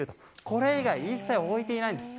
これ以外一切置いていないんです。